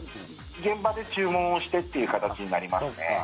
現場で注文をしてという形になりますね。